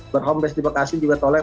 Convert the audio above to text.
berhome base di bekasi juga tolak